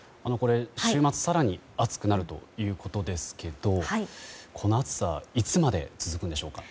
週末、更に暑くなるということですけどこの暑さいつまで続くんでしょうか。